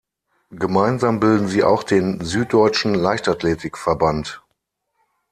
Gemeinsam bilden sie auch den Süddeutschen Leichtathletikverband.